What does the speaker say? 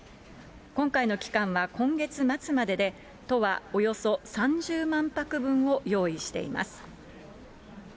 今回の期間は今月末までで、都はおよそ３０万泊分を用意しています。